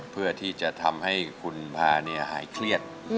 เพื่อที่จะทำให้คุณพาหายเครียด